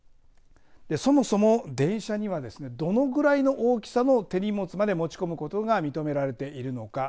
そもそも電車にはどのぐらいの大きさの手荷物まで持ち込むことが認められているのか。